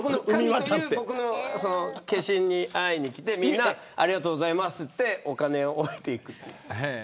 僕の化身に会いに来てみんなありがとうございますってお金を置いていく。